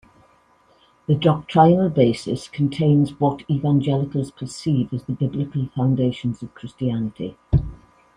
The doctrinal basis contains what evangelicals perceive as the biblical foundations of Christianity.